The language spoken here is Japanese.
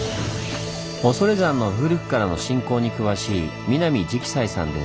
恐山の古くからの信仰に詳しい南直哉さんです。